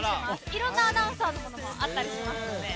いろんなアナウンサーのものもあったりしますので。